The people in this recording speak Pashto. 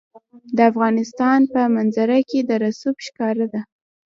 د افغانستان په منظره کې رسوب ښکاره ده.